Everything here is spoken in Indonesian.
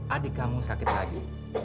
adik kamu sakit lagi